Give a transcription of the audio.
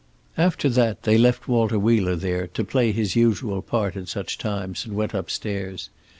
After that they left Walter Wheeler there, to play his usual part at such times, and went upstairs.